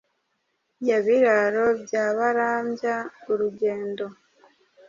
Ya Biraro bya Barambya-urugendo.